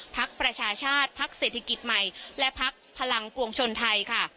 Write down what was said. พักประชาชาติพักเศรษฐกิจใหม่และพักพลังปวงชนไทยค่ะ